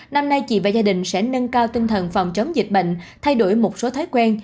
năm nay chị và gia đình sẽ nâng cao tinh thần phòng chống dịch bệnh thay đổi một số thói quen